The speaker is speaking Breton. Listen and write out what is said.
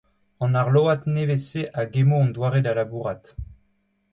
An arload nevez-se a gemmo hon doare da labourat.